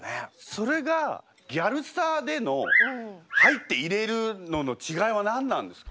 それがギャルサーでの入っていれるのの違いは何なんですか？